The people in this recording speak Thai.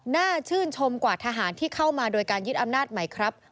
น่าชื่นชมกว่าทหารที่เข้ามาโดยการยึดอำนาจใหม่ครับ